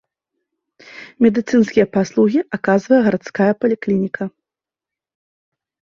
Медыцынскія паслугі аказвае гарадская паліклініка.